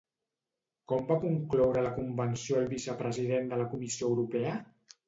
Com va concloure la convenció el vicepresident de la Comissió Europea?